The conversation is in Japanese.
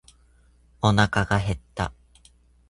おなかが減った。